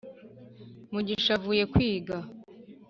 mugisha avuye kwiga